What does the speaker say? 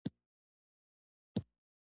د بامیان په سیغان کې څه شی شته؟